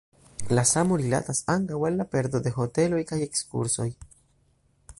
La samo rilatas ankaŭ al la perado de hoteloj kaj ekskursoj.